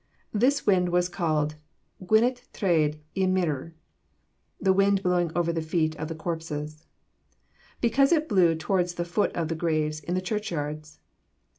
This wind was called 'gwynt traed y meirw,' (the wind blowing over the feet of the corpses,) because it blew towards the foot of the graves in the churchyards.